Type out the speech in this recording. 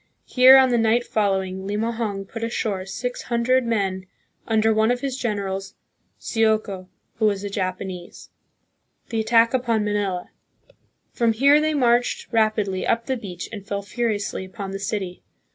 Here on the night following, Limahong put ashore six hundred men, under one of his generals, Sioco, who was a Japanese. The Attack upon Manila. From here they marched 142 THE PHILIPPINES. rapidly up the beach and fell furiously upon the city.